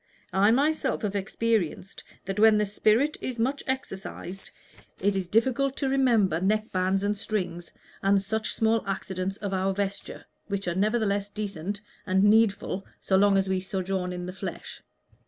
"I myself have experienced that when the spirit is much exercised it is difficult to remember neck bands and strings and such small accidents of our vesture, which are nevertheless decent and needful so long as we sojourn in the flesh.